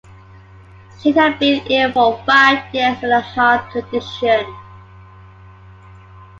She had been ill for five years with a heart condition.